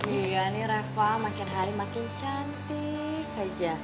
iya ini reva makin hari makin cantik aja